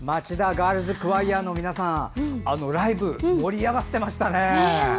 ガールズ・クワイアの皆さんライブ、盛り上がってましたね。